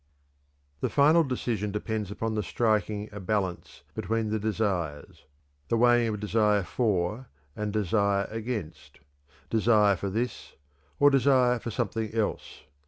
The final decision depends upon the striking a balance between the desires, the weighing of desire for and desire against, desire for this and desire for something else.